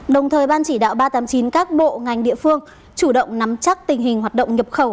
đồng thời ban chỉ đạo ba trăm tám mươi chín các bộ ngành địa phương chủ động nắm chắc tình hình hoạt động nhập khẩu